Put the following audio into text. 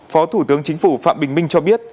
phó thủ tướng chính phủ phạm bình minh cho biết